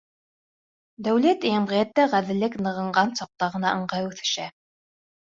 Дәүләт йәмғиәттә ғәҙеллек нығынған саҡта ғына ыңғай үҫешә.